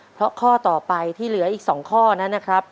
เพราะข้อต่อไปที่เหลืออีก๒ข้อนั้นนะครับ